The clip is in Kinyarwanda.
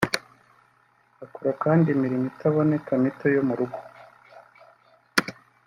Bakora kandi imirimo itaboneka (mito) yo mu rugo